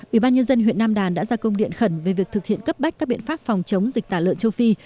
ủy ban nhân dân huyện nam đàn đã ra công điện khẩn về việc thực hiện cấp bách các biện pháp phòng chống dịch tả lợn châu phi